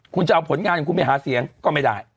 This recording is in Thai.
คุณจะเอาผลงานของคุณไปหาเสียงก็ไม่ได้